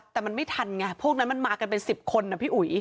แต่มันไม่ทันไงพวกนั้นมันมากันเป็น๑๐คนนะพี่อุ๋ย